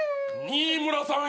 新村さん